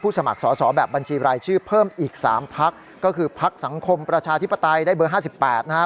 ผู้สมัครสอสอแบบบัญชีรายชื่อเพิ่มอีกสามพรรคก็คือพรรคสังคมประชาธิปไตยได้เบอร์ห้าสิบแปดนะฮะ